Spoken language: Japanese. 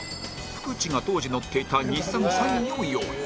ふくちが当時乗っていた日産サニーを用意